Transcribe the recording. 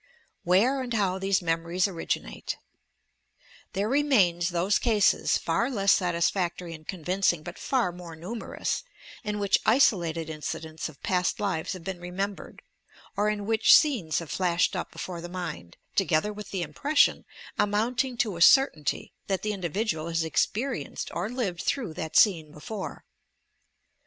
i WHEBB AND HOW THESE 'MEMORIES" OBIQINATE There remain those cases, far less satisfactory and convincing but far more numerous, in which isolated in cidents of past lives have been remembered, or in which scenes have flashed up before the mind, together with the impression, amounting to a certainty, that the in dividual has experienced or lived through that scene before.